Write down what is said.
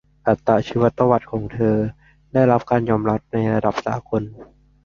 อัตชีวประวัติของเธอได้รับการยอมรับในระดับสากล